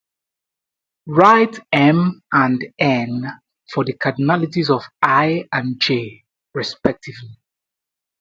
Write "m" and "n" for the cardinalities of "I" and "J", respectively.